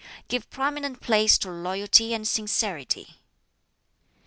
"Give prominent place to loyalty and sincerity.